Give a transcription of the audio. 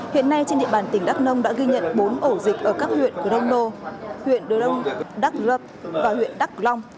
hiện nay trên địa bàn tỉnh đắk nông đã ghi nhận bốn ổ dịch ở các huyện gros nô huyện đắk lập và huyện đắk rịa